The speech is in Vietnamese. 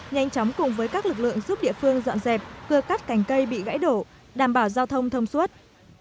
nhanh chóng cùng với các lực lượng giúp địa phương dọn dẹp cưa cắt cành cây bị gãy đổ đảm bảo giao thông thông suốt